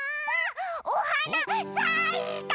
おはなさいた！